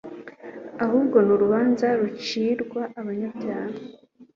ahubwo ni urubanza rucirwa abanyabyaha